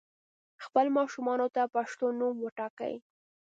خپل ماشومانو ته پښتو نوم وټاکئ